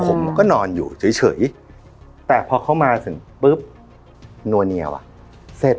ผมก็นอนอยู่เฉยแต่พอเข้ามาถึงปุ๊บนัวเนียว่ะเสร็จ